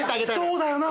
そうだよな！